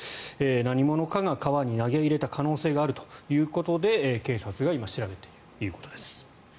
何者かが川に投げ入れた可能性があるということで警察が今、調べているということです。